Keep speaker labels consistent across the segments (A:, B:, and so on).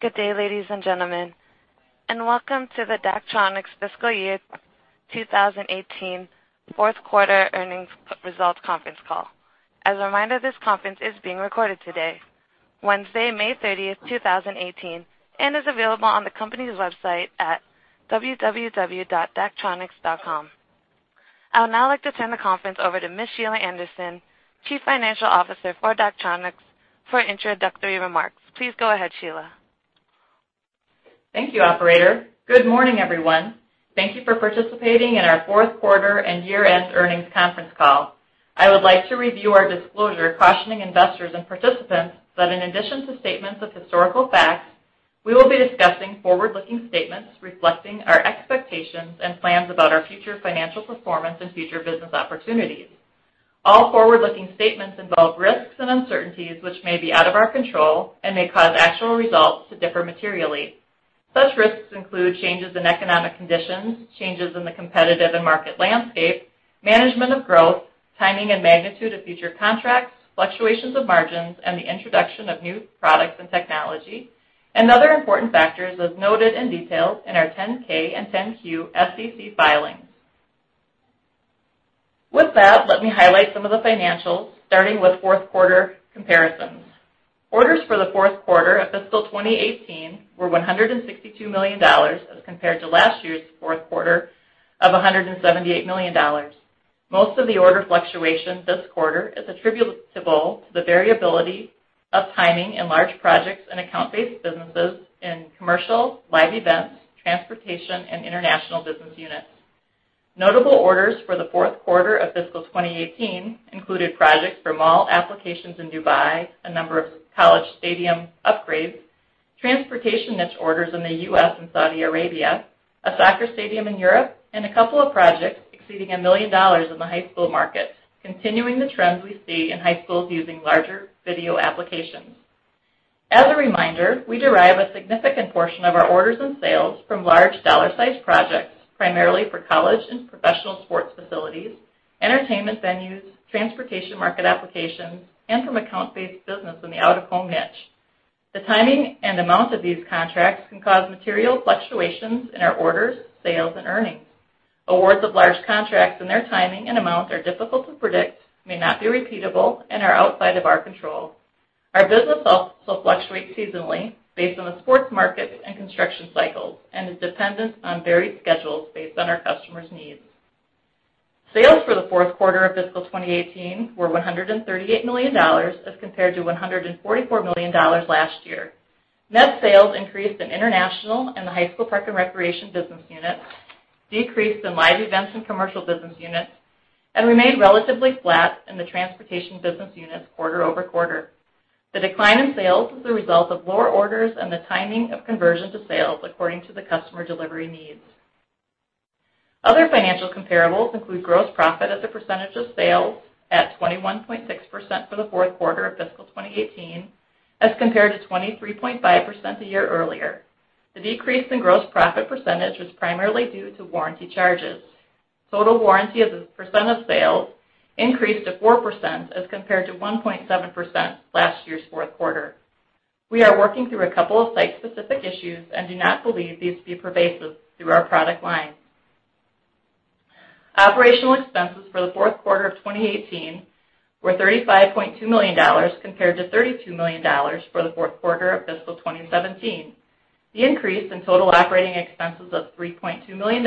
A: Good day, ladies and gentlemen, and welcome to the Daktronics Fiscal Year 2018 fourth quarter earnings results conference call. As a reminder, this conference is being recorded today, Wednesday, May 30, 2018, and is available on the company's website at www.daktronics.com. I would now like to turn the conference over to Ms. Sheila Anderson, Chief Financial Officer for Daktronics, for introductory remarks. Please go ahead, Sheila.
B: Thank you, operator. Good morning, everyone. Thank you for participating in our fourth quarter and year-end earnings conference call. I would like to review our disclosure cautioning investors and participants that in addition to statements of historical facts, we will be discussing forward-looking statements reflecting our expectations and plans about our future financial performance and future business opportunities. All forward-looking statements involve risks and uncertainties which may be out of our control and may cause actual results to differ materially. Such risks include changes in economic conditions, changes in the competitive and market landscape, management of growth, timing and magnitude of future contracts, fluctuations of margins, and the introduction of new products and technology, and other important factors as noted and detailed in our 10-K and 10-Q SEC filings. With that, let me highlight some of the financials, starting with fourth quarter comparisons. Orders for the fourth quarter of fiscal 2018 were $162 million as compared to last year's fourth quarter of $178 million. Most of the order fluctuation this quarter is attributable to the variability of timing in large projects and account-based businesses in commercial, live events, transportation, and international business units. Notable orders for the fourth quarter of fiscal 2018 included projects for mall applications in Dubai, a number of college stadium upgrades, transportation niche orders in the U.S. and Saudi Arabia, a soccer stadium in Europe, and a couple of projects exceeding $1 million in the high school market, continuing the trends we see in high schools using larger video applications. As a reminder, we derive a significant portion of our orders and sales from large dollar-sized projects, primarily for college and professional sports facilities, entertainment venues, transportation market applications, and from account-based business in the out-of-home niche. The timing and amount of these contracts can cause material fluctuations in our orders, sales, and earnings. Awards of large contracts and their timing and amount are difficult to predict, may not be repeatable, and are outside of our control. Our business also fluctuates seasonally based on the sports markets and construction cycles, and is dependent on varied schedules based on our customers' needs. Sales for the fourth quarter of fiscal 2018 were $138 million as compared to $144 million last year. Net sales increased in international and the high school park and recreation business units, decreased in live events and commercial business units, and remained relatively flat in the transportation business units quarter-over-quarter. The decline in sales was the result of lower orders and the timing of conversion to sales according to the customer delivery needs. Other financial comparables include gross profit as a percentage of sales at 21.6% for the fourth quarter of fiscal 2018, as compared to 23.5% a year earlier. The decrease in gross profit percentage was primarily due to warranty charges. Total warranty as a percent of sales increased to 4% as compared to 1.7% last year's fourth quarter. We are working through a couple of site-specific issues and do not believe these to be pervasive through our product lines. Operational expenses for the fourth quarter of 2018 were $35.2 million, compared to $32 million for the fourth quarter of fiscal 2017. The increase in total operating expenses of $3.2 million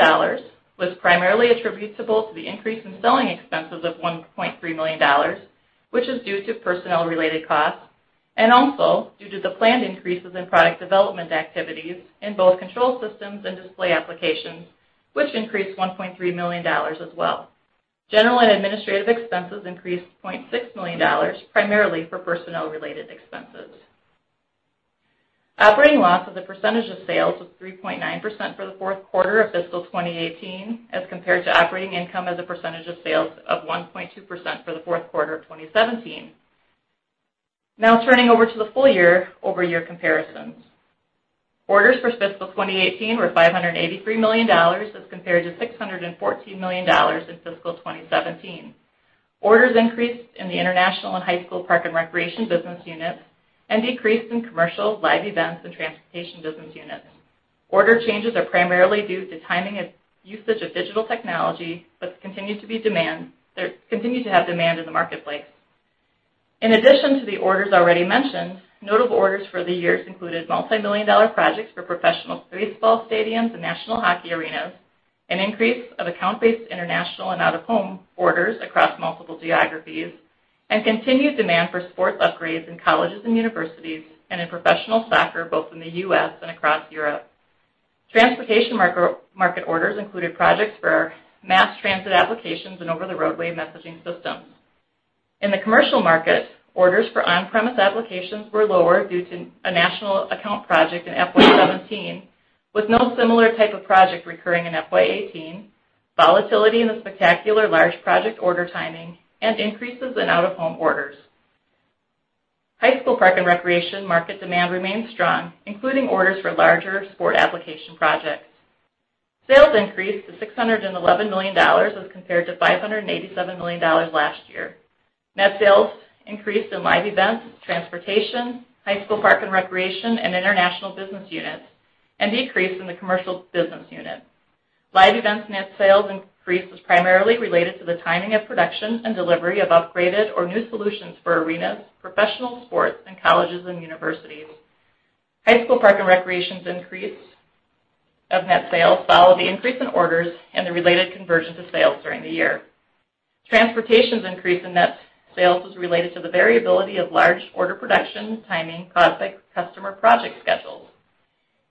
B: was primarily attributable to the increase in selling expenses of $1.3 million, which is due to personnel related costs and also due to the planned increases in product development activities in both control systems and display applications, which increased $1.3 million as well. General and administrative expenses increased $0.6 million, primarily for personnel related expenses. Operating loss as a percentage of sales was 3.9% for the fourth quarter of fiscal 2018, as compared to operating income as a percentage of sales of 1.2% for the fourth quarter of 2017. Turning over to the full year-over-year comparisons. Orders for fiscal 2018 were $583 million as compared to $614 million in fiscal 2017. Orders increased in the international and high school park and recreation business units and decreased in commercial, live events, and transportation business units. Order changes are primarily due to timing of usage of digital technology that continue to have demand in the marketplace. In addition to the orders already mentioned, notable orders for the years included multimillion-dollar projects for professional baseball stadiums and national hockey arenas, an increase of account-based international and out-of-home orders across multiple geographies, and continued demand for sports upgrades in colleges and universities and in professional soccer, both in the U.S. and across Europe. Transportation market orders included projects for mass transit applications and over the roadway messaging systems. In the commercial market, orders for on-premise applications were lower due to a national account project in FY 2017, with no similar type of project recurring in FY 2018, volatility in the spectacular large project order timing, and increases in out-of-home orders. High school park and recreation market demand remains strong, including orders for larger sport application projects. Sales increased to $611 million as compared to $587 million last year. Net sales increased in live events, transportation, high school park and recreation, and international business units, and decreased in the commercial business unit. Live events net sales increase was primarily related to the timing of production and delivery of upgraded or new solutions for arenas, professional sports in colleges and universities. High school park and recreations increase of net sales followed the increase in orders and the related conversion to sales during the year. Transportation's increase in net sales was related to the variability of large order production timing caused by customer project schedules.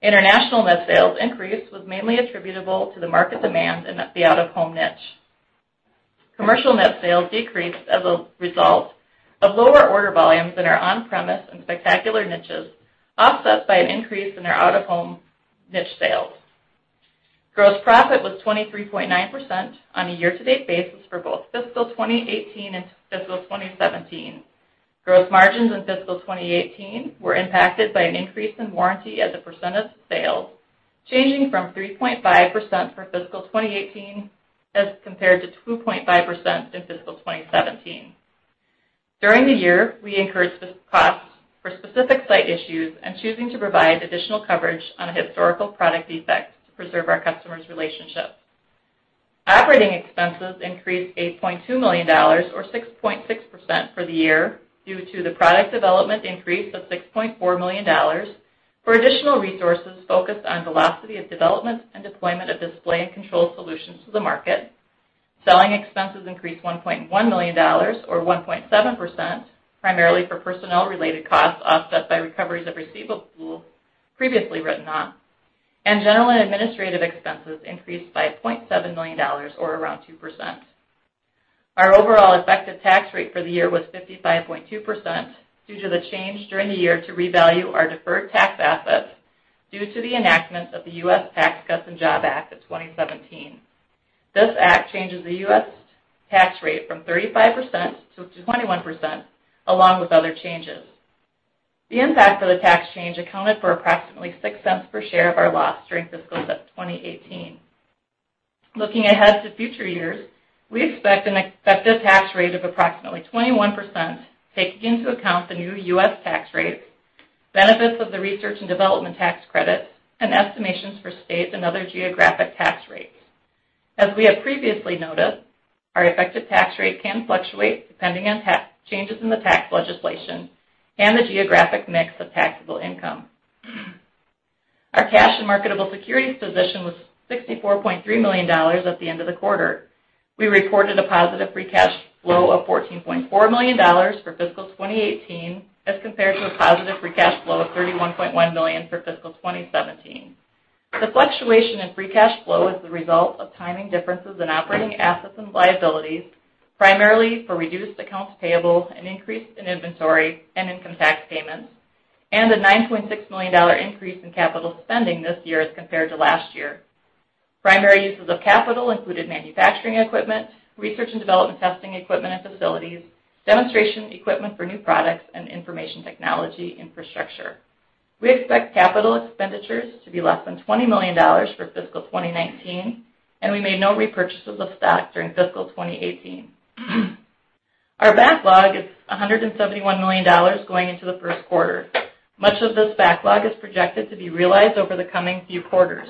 B: International net sales increase was mainly attributable to the market demand in the out-of-home niche. Commercial net sales decreased as a result of lower order volumes in our on-premise and spectacular niches, offset by an increase in our out-of-home niche sales. Gross profit was 23.9% on a year-to-date basis for both fiscal 2018 and fiscal 2017. Gross margins in fiscal 2018 were impacted by an increase in warranty as a percent of sales, changing from 3.5% for fiscal 2018 as compared to 2.5% in fiscal 2017. During the year, we incurred costs for specific site issues and choosing to provide additional coverage on a historical product defect to preserve our customers' relationships. Operating expenses increased $8.2 million or 6.6% for the year due to the product development increase of $6.4 million for additional resources focused on velocity of development and deployment of display and control solutions to the market. Selling expenses increased $1.1 million or 1.7%, primarily for personnel-related costs offset by recoveries of receivable previously written off. General and administrative expenses increased by $0.7 million or around 2%. Our overall effective tax rate for the year was 55.2% due to the change during the year to revalue our deferred tax assets due to the enactment of the U.S. Tax Cuts and Jobs Act of 2017. This act changes the U.S. tax rate from 35% to 21%, along with other changes. The impact of the tax change accounted for approximately $0.06 per share of our loss during fiscal 2018. Looking ahead to future years, we expect an effective tax rate of approximately 21%, taking into account the new U.S. tax rates, benefits of the research and development tax credits, and estimations for state and other geographic tax rates. As we have previously noted, our effective tax rate can fluctuate depending on changes in the tax legislation and the geographic mix of taxable income. Our cash and marketable securities position was $64.3 million at the end of the quarter. We reported a positive free cash flow of $14.4 million for fiscal 2018, as compared to a positive free cash flow of $31.1 million for fiscal 2017. The fluctuation in free cash flow is the result of timing differences in operating assets and liabilities, primarily for reduced accounts payable, an increase in inventory, and income tax payments, and a $9.6 million increase in capital spending this year as compared to last year. Primary uses of capital included manufacturing equipment, research and development testing equipment and facilities, demonstration equipment for new products, and information technology infrastructure. We expect capital expenditures to be less than $20 million for fiscal 2019, and we made no repurchases of stock during fiscal 2018. Our backlog is $171 million going into the first quarter. Much of this backlog is projected to be realized over the coming few quarters.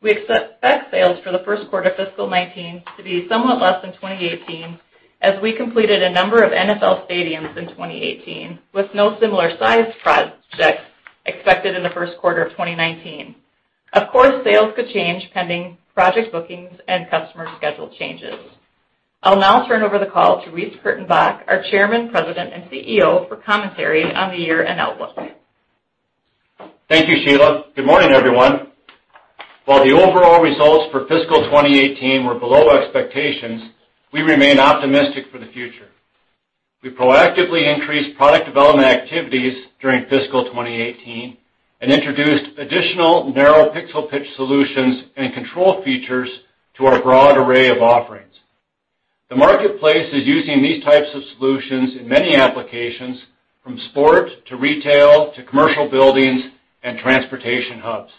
B: We expect sales for the first quarter fiscal 2019 to be somewhat less than 2018, as we completed a number of NFL stadiums in 2018, with no similar size projects expected in the first quarter of 2019. Of course, sales could change pending project bookings and customer schedule changes. I'll now turn over the call to Reece Kurtenbach, our Chairman, President, and CEO, for commentary on the year and outlook.
C: Thank you, Sheila. Good morning, everyone. While the overall results for fiscal 2018 were below expectations, we remain optimistic for the future. We proactively increased product development activities during fiscal 2018 and introduced additional narrow pixel pitch solutions and control features to our broad array of offerings. The marketplace is using these types of solutions in many applications, from sport, to retail, to commercial buildings, and transportation hubs.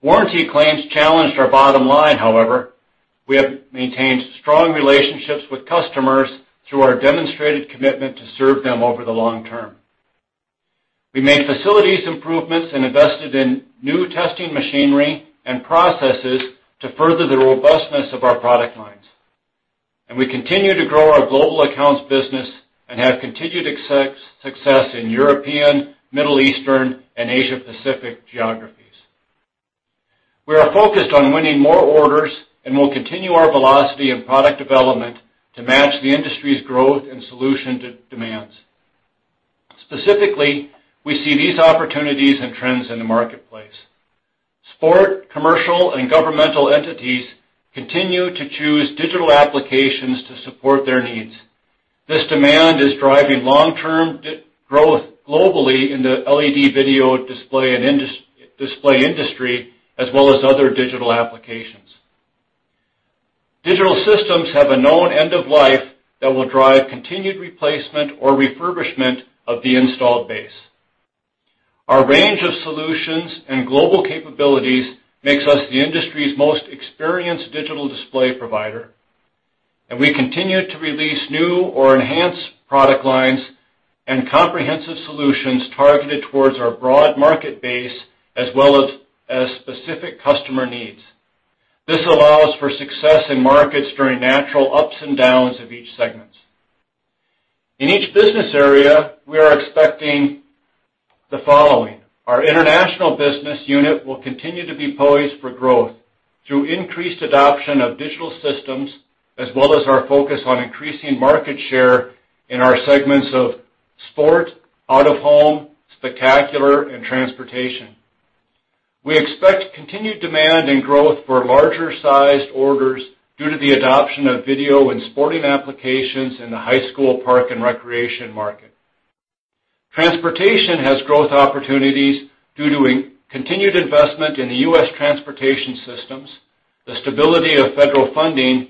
C: Warranty claims challenged our bottom line. However, we have maintained strong relationships with customers through our demonstrated commitment to serve them over the long term. We made facilities improvements and invested in new testing machinery and processes to further the robustness of our product lines. We continue to grow our global accounts business and have continued success in European, Middle Eastern, and Asia Pacific geographies. We are focused on winning more orders and will continue our velocity in product development to match the industry's growth and solution demands. Specifically, we see these opportunities and trends in the marketplace. Sport, commercial, and governmental entities continue to choose digital applications to support their needs. This demand is driving long-term growth globally in the LED video display industry, as well as other digital applications. Digital systems have a known end of life that will drive continued replacement or refurbishment of the installed base. Our range of solutions and global capabilities makes us the industry's most experienced digital display provider, and we continue to release new or enhanced product lines and comprehensive solutions targeted towards our broad market base as well as specific customer needs. This allows for success in markets during natural ups and downs of each segment. In each business area, we are expecting the following. Our international business unit will continue to be poised for growth through increased adoption of digital systems, as well as our focus on increasing market share in our segments of sport, out of home, spectacular, and transportation. We expect continued demand and growth for larger sized orders due to the adoption of video and sporting applications in the high school park and recreation market. Transportation has growth opportunities due to continued investment in the U.S. transportation systems, the stability of federal funding,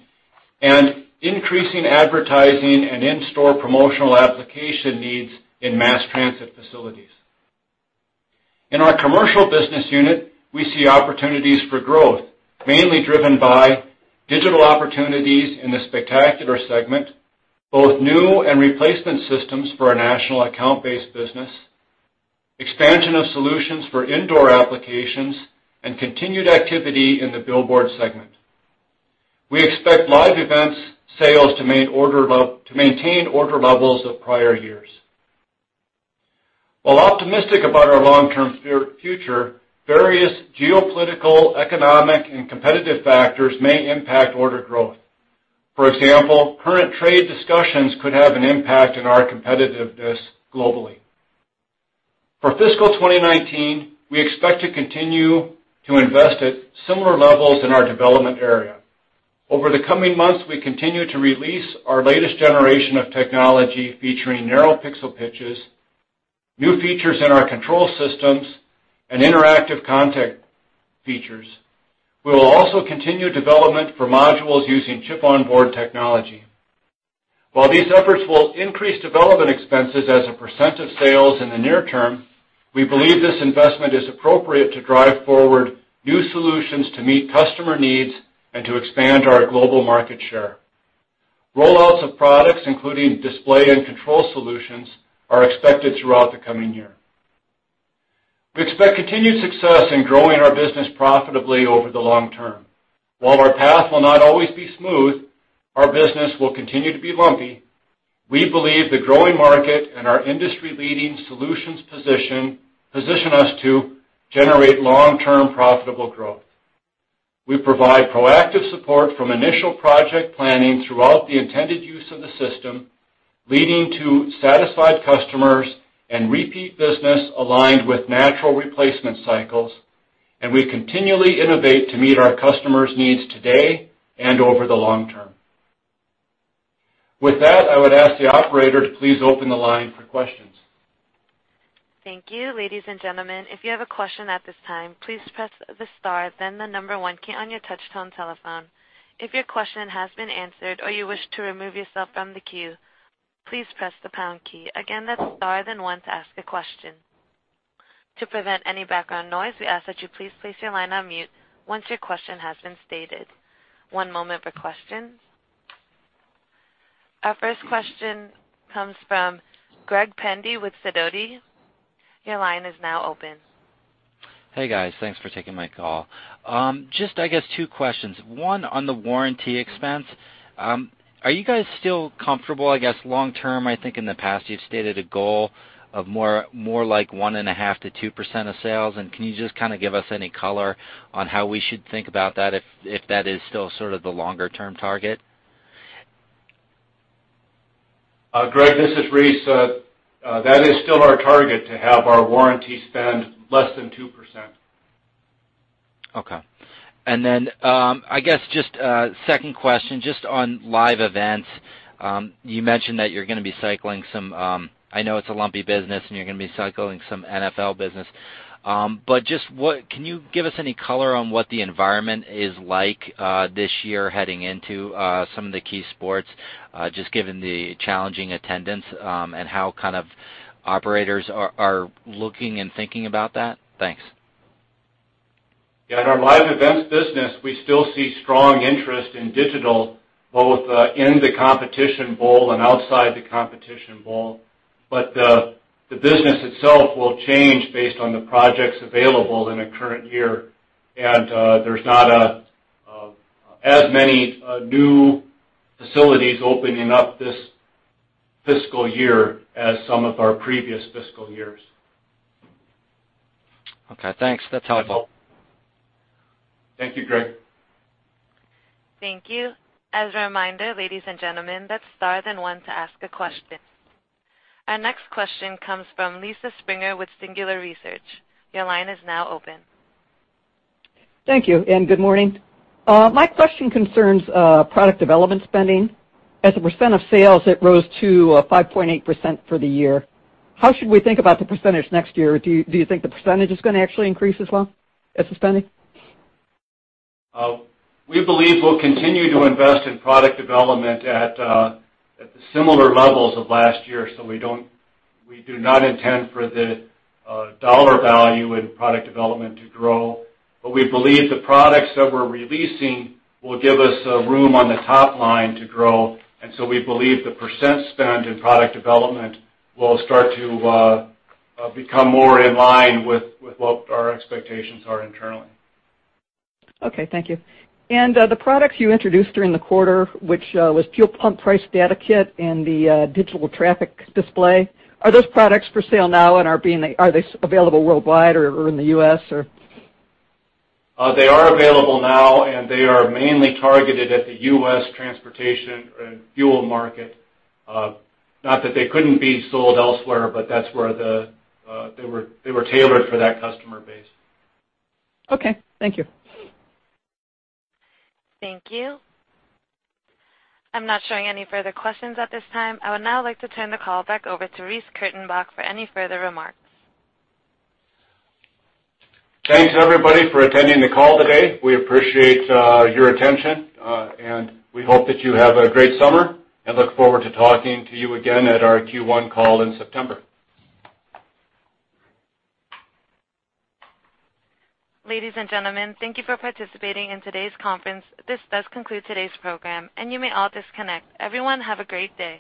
C: and increasing advertising and in-store promotional application needs in mass transit facilities. In our commercial business unit, we see opportunities for growth, mainly driven by digital opportunities in the spectacular segment, both new and replacement systems for our national account-based business, expansion of solutions for indoor applications, and continued activity in the billboard segment. We expect live events sales to maintain order levels of prior years. While optimistic about our long-term future, various geopolitical, economic, and competitive factors may impact order growth. For example, current trade discussions could have an impact on our competitiveness globally. For fiscal 2019, we expect to continue to invest at similar levels in our development area. Over the coming months, we continue to release our latest generation of technology featuring narrow pixel pitches, new features in our control systems, and interactive content features. We will also continue development for modules using chip-on-board technology. While these efforts will increase development expenses as a % of sales in the near term, we believe this investment is appropriate to drive forward new solutions to meet customer needs and to expand our global market share. Rollouts of products, including display and control solutions, are expected throughout the coming year. We expect continued success in growing our business profitably over the long term. While our path will not always be smooth, our business will continue to be lumpy, we believe the growing market and our industry-leading solutions position us to generate long-term profitable growth. We provide proactive support from initial project planning throughout the intended use of the system, leading to satisfied customers and repeat business aligned with natural replacement cycles, and we continually innovate to meet our customers' needs today and over the long term. With that, I would ask the operator to please open the line for questions.
A: Thank you. Ladies and gentlemen, if you have a question at this time, please press the star then the 1 key on your touch tone telephone. If your question has been answered or you wish to remove yourself from the queue, please press the pound key. Again, that's star then 1 to ask a question. To prevent any background noise, we ask that you please place your line on mute once your question has been stated. One moment for questions. Our first question comes from Greg Pendy with Sidoti. Your line is now open.
D: Hey, guys. Thanks for taking my call. Just, I guess two questions. One on the warranty expense. Are you guys still comfortable, I guess, long term, I think in the past you've stated a goal of more like 1.5%-2% of sales, and can you just kind of give us any color on how we should think about that if that is still sort of the longer term target?
C: Greg, this is Reece. That is still our target to have our warranty spend less than 2%.
D: Okay. I guess just a second question, just on live events. You mentioned that you're going to be cycling some I know it's a lumpy business, and you're going to be cycling some NFL business. Can you give us any color on what the environment is like this year heading into some of the key sports, just given the challenging attendance, and how kind of operators are looking and thinking about that? Thanks.
C: Yeah, in our live events business, we still see strong interest in digital, both in the competition bowl and outside the competition bowl. The business itself will change based on the projects available in a current year. There's not as many new facilities opening up this fiscal year as some of our previous fiscal years.
D: Okay, thanks. That's helpful.
C: Thank you, Greg.
A: Thank you. As a reminder, ladies and gentlemen, that is star then one to ask a question. Our next question comes from Lisa Springer with Singular Research. Your line is now open.
E: Thank you. Good morning. My question concerns product development spending. As a percent of sales, it rose to 5.8% for the year. How should we think about the percentage next year? Do you think the percentage is going to actually increase as well as the spending?
C: We believe we will continue to invest in product development at the similar levels of last year. We do not intend for the dollar value in product development to grow. We believe the products that we are releasing will give us room on the top line to grow. We believe the percent spend in product development will start to become more in line with what our expectations are internally.
E: Okay, thank you. The products you introduced during the quarter, which was Fuelight and the Dynamic Message Signs, are those products for sale now and are they available worldwide or in the U.S., or?
C: They are available now. They are mainly targeted at the U.S. transportation and fuel market. Not that they couldn't be sold elsewhere, but that's where they were tailored for that customer base.
E: Okay, thank you.
A: Thank you. I'm not showing any further questions at this time. I would now like to turn the call back over to Reece Kurtenbach for any further remarks.
C: Thanks everybody for attending the call today. We appreciate your attention, and we hope that you have a great summer and look forward to talking to you again at our Q1 call in September.
A: Ladies and gentlemen, thank you for participating in today's conference. This does conclude today's program, and you may all disconnect. Everyone have a great day.